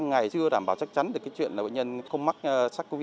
hàng ngày chưa đảm bảo chắc chắn được cái chuyện là bệnh nhân không mắc sars cov hai